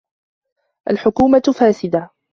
الحكومة فاسدة!